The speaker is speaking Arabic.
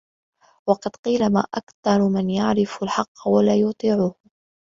وَقَدْ قِيلَ مَا أَكْثَرُ مَنْ يَعْرِفُ الْحَقَّ وَلَا يُطِيعُهُ